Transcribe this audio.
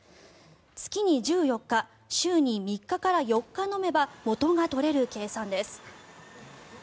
月に１４日週に３日から４日飲めば元が取れる計算です。